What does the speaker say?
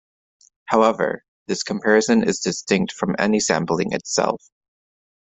However, this comparison is distinct from any sampling itself.